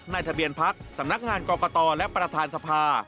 ทะเบียนพักสำนักงานกรกตและประธานสภา